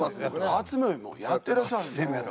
発明もやってらっしゃるじゃないですか。